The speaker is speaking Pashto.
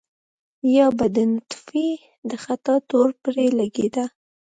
يا به د نطفې د خطا تور پرې لګېده.